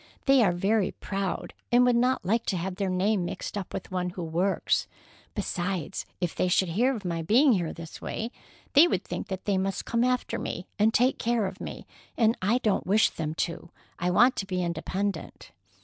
They are very proud, and would not like to have their name mixed up with one who works. Besides, if they should hear of my being here this way, they would think that they must come after me and take care of me, and I don't wish them to. I want to be independent."